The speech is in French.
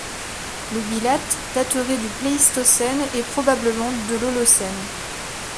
Le Bilate daterait du Pléistocène et probablement de l'Holocène.